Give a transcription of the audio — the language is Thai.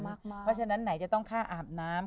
เพราะฉะนั้นไหนจะต้องฆ่าอาบน้ำ